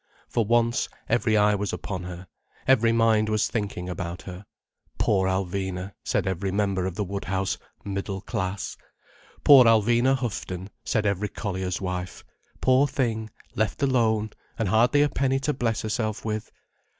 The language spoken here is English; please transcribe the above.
For once, every eye was upon her, every mind was thinking about her. Poor Alvina! said every member of the Woodhouse "middle class": Poor Alvina Houghton, said every collier's wife. Poor thing, left alone—and hardly a penny to bless herself with.